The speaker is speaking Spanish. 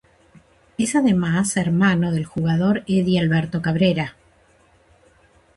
Es además hermano del jugador Edy Alberto Cabrera.